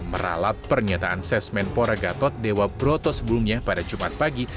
meralap pernyataan sesmen poregatot dewa broto sebelumnya pada jumat pagi